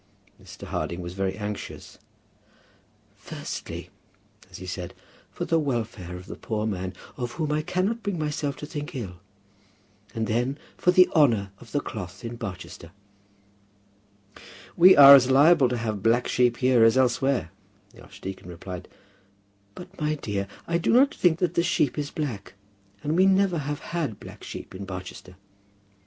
Mr. Harding was very anxious, "Firstly," as he said, "for the welfare of the poor man, of whom I cannot bring myself to think ill; and then for the honour of the cloth in Barchester." "We are as liable to have black sheep here as elsewhere," the archdeacon replied. "But, my dear, I do not think that the sheep is black; and we never have had black sheep in Barchester."